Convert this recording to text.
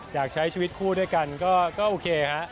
อยากใช้ชีวิตคู่ด้วยกันก็โอเคฮะ